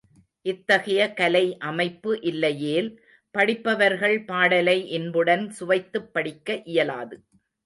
இத்தகைய கலை அமைப்பு இல்லையேல், படிப்பவர்கள் பாடலை இன்புடன் சுவைத்துப் படிக்க இயலாது.